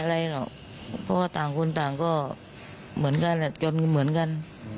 อะไรหรอกเพราะว่าต่างคนต่างก็เหมือนกันจนเหมือนกัน